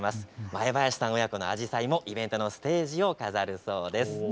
前林さん親子のアジサイもイベントのステージを飾るそうです。